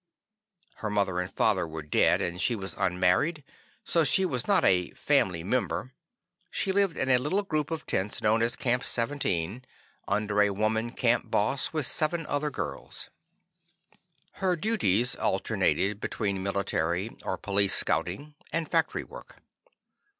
Her mother and father were dead, and she was unmarried, so she was not a "family member." She lived in a little group of tents known as Camp 17, under a woman Camp Boss, with seven other girls. Her duties alternated between military or police scouting and factory work.